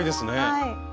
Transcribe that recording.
はい！